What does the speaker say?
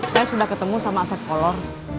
saya sudah ketemu sama aset olor